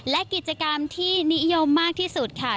และกิจกรรมที่นิยมมากที่สุดค่ะ